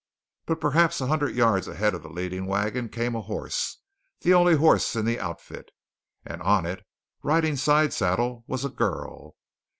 But perhaps a hundred yards ahead of the leading wagon came a horse the only horse in the outfit and on it, riding side saddle, was a girl.